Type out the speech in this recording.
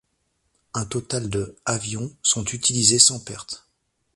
Un total de avions sont utilisés sans pertes.